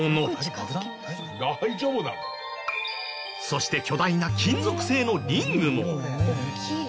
そして巨大な金属製のリングも。